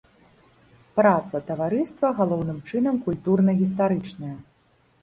Праца таварыства галоўным чынам культурна-гістарычная.